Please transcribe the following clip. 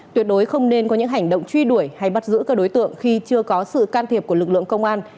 tuyệt đối không nên có những hành động truy đuổi hay bắt giữ các đối tượng khi chưa có sự can thiệp của lực lượng công an